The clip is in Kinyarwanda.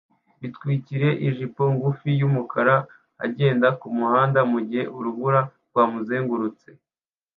bitwikiriye ijipo ngufi yumukara agenda kumuhanda mugihe urubura rwamuzengurutse